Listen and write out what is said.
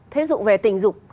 thế dụng về tình dục